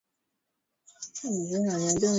kama ni ngome ya zamani makali ya kijiji